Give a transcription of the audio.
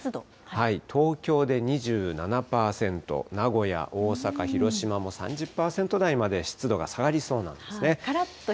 東京で２７％、名古屋、大阪、広島も３０％台まで湿度が下がりそうなんですね。